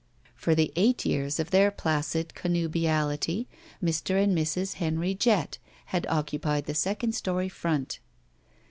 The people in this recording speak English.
For the eight years of their placid connubiality Mr. and Mrs. Henry Jett had occupied the second story front.